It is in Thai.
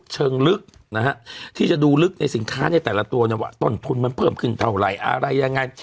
ที่จะดูที่ดูรึกในสินค้าเนี่ยแต่ละตัวเนี่ยต้นทุนมันเผิมขึ้นเท่าไหร่อะไรยังไง